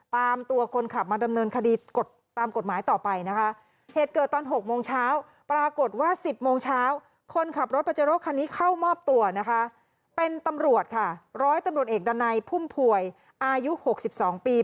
เป็นตำรวจค่ะร้อยตำรวจเอกดันไนพุ่มผ่วยอายุ๖๒ปี